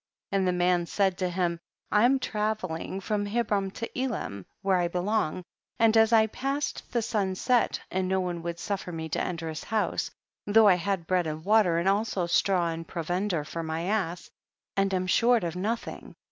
21. And the man said to him, I am travelling from Hebron to Elam where I belong, and as T passed the sun set and no one would suffer me 50 THE BOOK OF JASHER. to enter his house, though I had bread and water and also straw and provender for my ass, and am short of nothing.